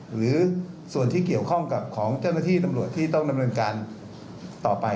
หรือส่วนที่เกี่ยวข้องกับของเจ้าหน้าที่ตำรวจที่ต้องดำเนินการต่อไป